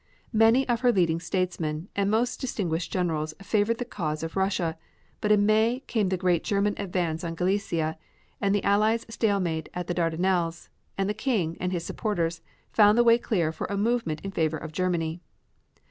Many of her leading statesmen and most distinguished generals favored the cause of Russia, but in May came the great German advance in Galicia, and the Allies' stalemate in the Dardanelles, and the king, and his supporters, found the way clear for a movement in favor of Germany.